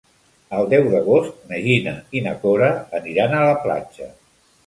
El deu d'agost na Gina i na Cora aniran a la platja.